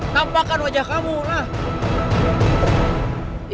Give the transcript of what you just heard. tampakan wajah kamu lah